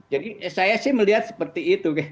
jadi saya sih melihat seperti itu